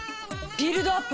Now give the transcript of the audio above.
ビルドアップ？